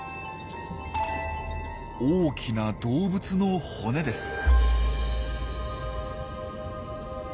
大きな動物の骨です。